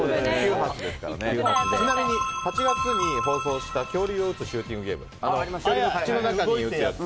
ちなみに、８月に放送した恐竜を撃つシューティングゲーム口の中に撃つやつ。